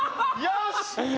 よし！